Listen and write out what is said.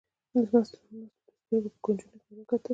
مستو د سترګو په کونجونو کې ور وکتل.